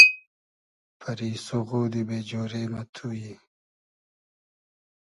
پئری سوغودی بې جۉرې مۂ تو یی